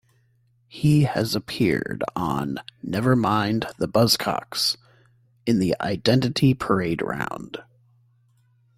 He has appeared on "Never Mind the Buzzcocks" in the identity parade round.